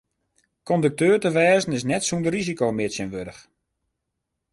Kondukteur te wêzen is net sûnder risiko mear tsjintwurdich.